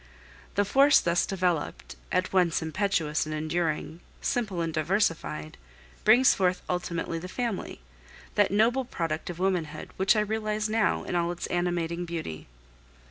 The force thus developed at once impetuous and enduring, simple and diversified brings forth ultimately the family, that noble product of womanhood, which I realize now in all its animating beauty.